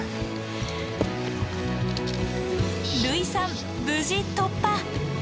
類さん無事突破！